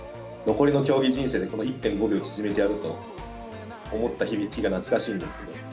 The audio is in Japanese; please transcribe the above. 残りの競技人生で、この１．５秒を縮めてやると思った日々が懐かしいですね。